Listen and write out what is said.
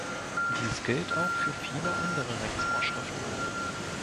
Dies gilt auch für viele andere Rechtsvorschriften.